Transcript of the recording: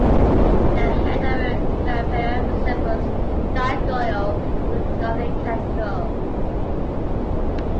The head of the Cucafera resembles a gargoyle of the Gothic Cathedral.